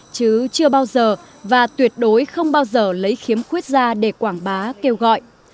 chứ chưa bao giờ và tuyệt đối không bao giờ lấy khiếm khuyết ra để quảng bá kêu gọi